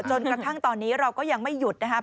จนกระทั่งตอนนี้เราก็ยังไม่หยุดนะครับ